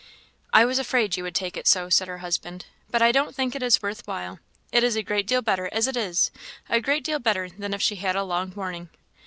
"I was afraid you would take it so," said her husband, "but I don't think it is worth while. It is a great deal better as it is; a great deal better than if she had a long warning.